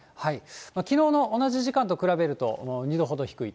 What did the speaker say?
きのうの同じ時間と比べると２度ほど低いと。